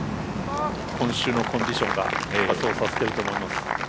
今週のコンディションがそうさせてると思います。